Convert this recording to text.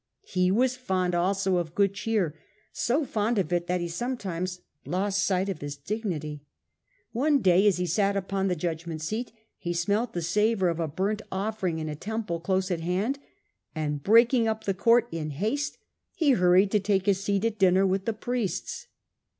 He was fond also of good cheer, so fond of it that he sometimes lost sight of his dignity. One day as and good l^e judgment seat he smelt the cheer. savour of a burnt offering in a temple close at hand, and breaking up the court in haste, he hurried to take his seat at dinner with the priests.